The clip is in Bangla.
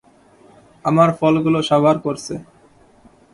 আমার ফলগুলো সাবাড় করছে।